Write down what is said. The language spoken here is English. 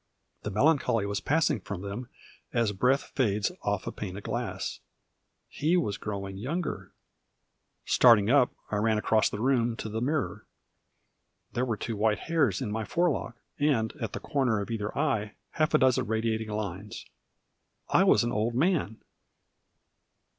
The melancholy was passing from them as breath fades off a pane of glass. He was growing younger. Starting up, I ran across the room, to the mirror. There were two white hairs in my fore lock; and, at the corner of either eye, half a dozen radiating lines. I was an old man.